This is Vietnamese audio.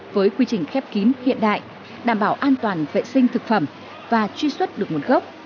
với quy trình khép kín hiện đại đảm bảo an toàn vệ sinh thực phẩm và truy xuất được nguồn gốc